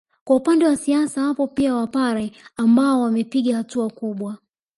Kwa upande wa siasa wapo pia Wapare ambao wamepiga hatua kubwa